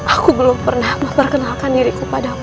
aku belum pernah memperkenalkan diriku padamu